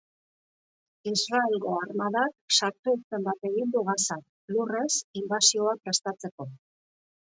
Israelgo armadak sartu-irten bat egin du Gazan, lurrez, inbasioa prestatzeko.